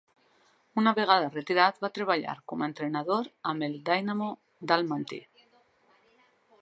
Una vegada retirat va treballar com a entrenador amb el Dynamo d'Almaty.